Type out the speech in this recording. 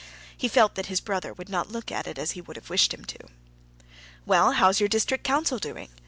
He felt that his brother would not look at it as he would have wished him to. "Well, how is your district council doing?"